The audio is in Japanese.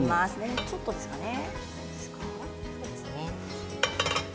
もうちょっとですかね。